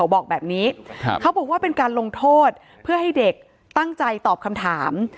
บอกแบบนี้เขาบอกว่าเป็นการลงโทษเพื่อให้เด็กตั้งใจตอบคำถาม